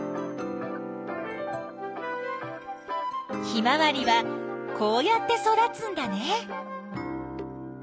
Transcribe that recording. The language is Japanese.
ヒマワリはこうやって育つんだね。